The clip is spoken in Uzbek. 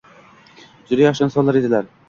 Juda yaxshi inson edilar.